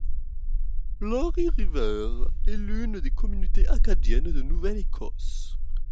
Larry's River est l'une des communautés acadiennes de Nouvelle-Écosse.